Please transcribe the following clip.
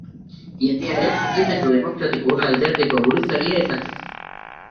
Jendearen Mugimendu Demokratikoa alderdiko buruzagia izan zen.